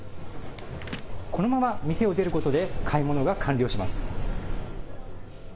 このまま店を出ることで買い物が完了します。